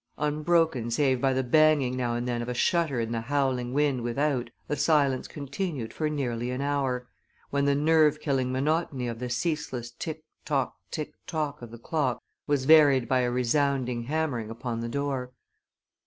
Unbroken save by the banging now and then of a shutter in the howling wind without, the silence continued for nearly an hour, when the nerve killing monotony of the ceaseless "tick tock, tick tock" of the clock was varied by a resounding hammering upon the door.